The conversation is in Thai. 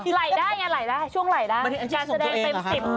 ไหล่ได้ช่วงไหล่แล้วการแสดงเต็มสิบ